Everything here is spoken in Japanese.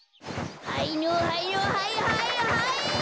はいのはいのはいはいはい！